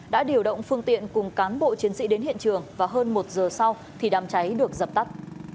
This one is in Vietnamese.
đã điều động phương tiện cùng cán bộ chiến sĩ đến hiện trường và hơn một giờ sau thì đám cháy được dập tắt